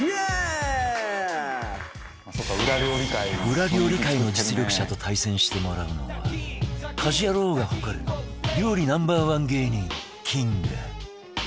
裏料理界の実力者と対戦してもらうのは『家事ヤロウ！！！』が誇る料理 Ｎｏ．１ 芸人キング